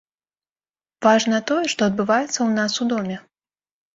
Важна тое, што адбываецца ў нас у доме.